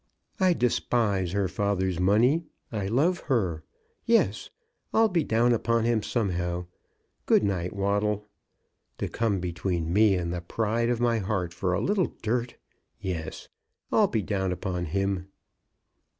I despise her father's money. I love her. Yes; I'll be down upon him somehow. Good night, Waddle. To come between me and the pride of my heart for a little dirt! Yes; I'll be down upon him."